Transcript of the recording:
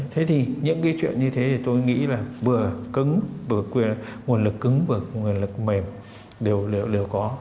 thế thì những cái chuyện như thế thì tôi nghĩ là vừa cứng vừa nguồn lực cứng vừa nguồn lực mềm đều có